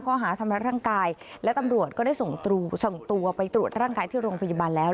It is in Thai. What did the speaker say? ข้อหาทำร้ายร่างกายและตำรวจก็ได้ส่งตัวไปตรวจร่างกายที่โรงพยาบาลแล้ว